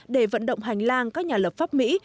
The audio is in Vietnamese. để vận động hành lang các nhà lập pháp mỹ